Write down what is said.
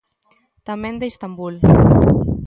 Tamén de Istambul.